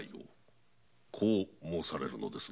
こう申されるのですな